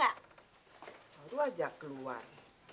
baru aja keluar